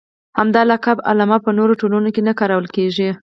همدا لقب علامه په نورو ټولنو کې نه کارول کېږي.